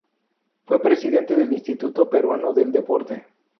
Fue presidente del Instituto Peruano del Deporte.